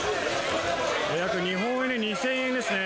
約日本円で２０００円ですね。